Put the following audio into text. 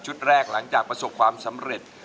แรกหลังจากประสบความสำเร็จ